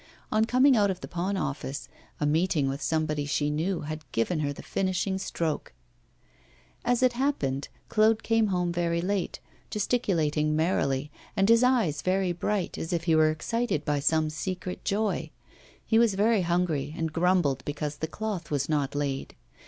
On coming out of the pawn office, a meeting with somebody she knew had given her the finishing stroke. As it happened, Claude came home very late, gesticulating merrily, and his eyes very bright, as if he were excited by some secret joy; he was very hungry, and grumbled because the cloth was not laid.